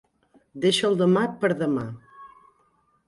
Deixa el demà per demà.